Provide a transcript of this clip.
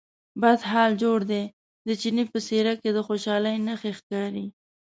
بد حال جوړ دی، د چیني په څېره کې د خوشالۍ نښې ښکارې.